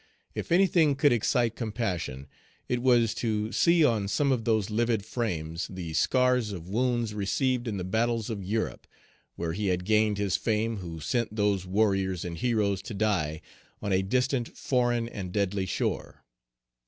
If anything could excite compassion, it was to see on some of those livid frames the scars of wounds received in the battles of Europe, where he had gained his fame who sent those warriors and heroes to die on a distant, foreign, and deadly shore.